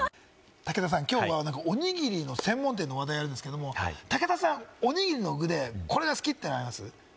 武田さん、きょうはおにぎりの専門店の話題をやるんですけど、武田さん、おにぎりの具で、これが好きっていうのはあります？